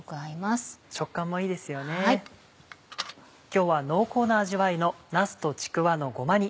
今日は濃厚な味わいの「なすとちくわのごま煮」。